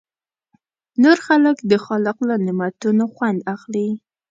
نور خلک د خالق له نعمتونو خوند اخلي.